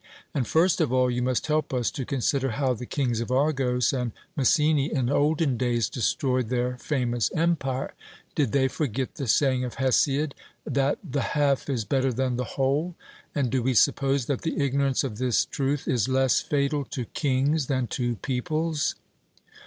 And first of all you must help us to consider how the kings of Argos and Messene in olden days destroyed their famous empire did they forget the saying of Hesiod, that 'the half is better than the whole'? And do we suppose that the ignorance of this truth is less fatal to kings than to peoples?